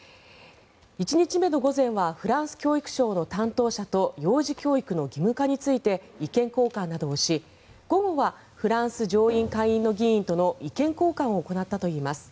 １日目の午前はフランス教育省の担当者と幼児教育の義務化について意見交換などをし午後はフランス上院・下院の議員との意見交換を行ったといいます。